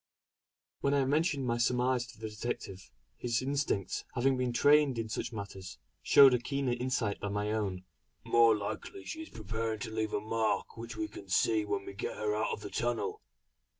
When I mentioned my surmise to the detective, his instinct having been trained in such matters, showed a keener insight than my own: "More likely she is preparing to leave a mark which we can see when they get her out of the tunnel.